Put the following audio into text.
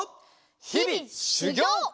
ひびしゅぎょう！